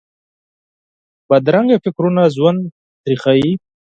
بدرنګه فکرونه ژوند تریخوي